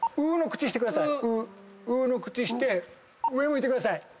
「う」の口して上向いてください。